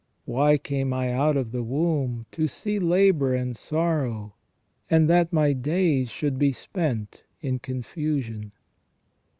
... Why came I out of the womb, to see labour and sorrow, and that my days should be spent in con fusion."